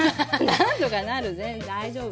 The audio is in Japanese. なんとかなる全然大丈夫。